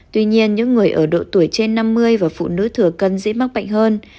tuy nhiên những người ở độ tuổi trên năm mươi và phụ nữ thừa cân dĩ mắc bệnh hơn